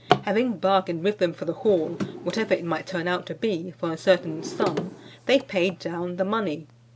Having bargained with them for the haul, whatever it might turn out to be, for a certain sum, they paid down the money.